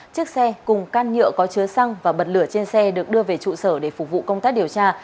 chiếc xe cùng can nhựa có chứa xăng và bật lửa trên xe được đưa về trụ sở để phục vụ công tác điều tra